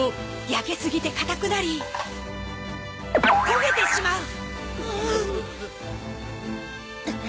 焼けすぎて硬くなり焦げてしまう！